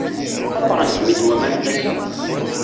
Quqṛen-kem-id waman n tasa.